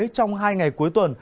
trong hai ngày cuối tuần